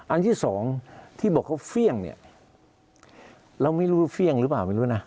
อันที่สองที่บอกเขาเฟี่ยงเนี่ยเราไม่รู้ว่าเฟี่ยงหรือเปล่าไม่รู้นะ